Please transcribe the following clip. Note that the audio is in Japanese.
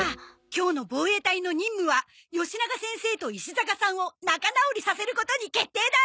今日の防衛隊の任務はよしなが先生と石坂さんを仲直りさせることに決定だ！